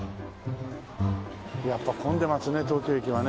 やっぱ混んでますね東京駅はね。